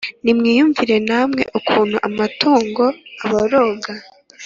Nimwiyumvire namwe ukuntu amatungo aboroga!